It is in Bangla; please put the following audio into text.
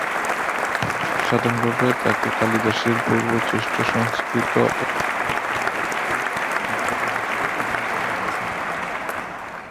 সাধারণভাবে তাকে কালিদাসের পূর্বে শ্রেষ্ঠ সংস্কৃত ও প্রথম বৌদ্ধ নাট্যকার হিসেবে গণ্য করা হয়ে থাকে।